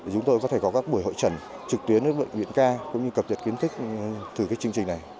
chúng tôi có thể có các buổi hội trần trực tuyến với bệnh viện ca cũng như cập nhật kiến thích thử cái chương trình này